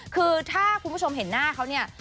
คือถ้าคุณผู้ชมเห็นหน้าเขาเนี่ย